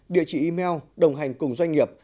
địa chỉ email đồng hành cùng doanh nghiệp